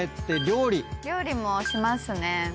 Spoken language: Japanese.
料理もしますね。